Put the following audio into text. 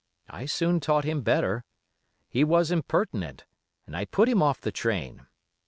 I soon taught him better. He was impertinent, and I put him off the train.